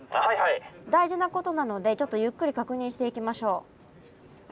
大事なことなのでちょっとゆっくり確認していきましょう。